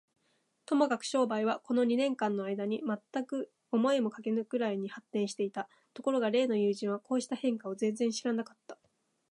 ともかく商売は、この二年間のあいだに、まったく思いもかけぬくらいに発展していた。ところが例の友人は、こうした変化を全然知らなかった。